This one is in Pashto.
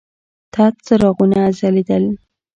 تت څراغونه ځلېدل.